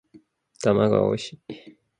卵はおいしい